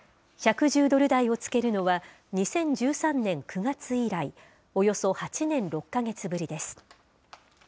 １１０ドル台をつけるのは、２０１３年９月以来、およそ８年６か月ぶりです。